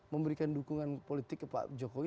memberikan dukungan politik ke pak jokowi